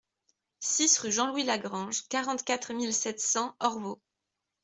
six rue Jean-Louis Lagrange, quarante-quatre mille sept cents Orvault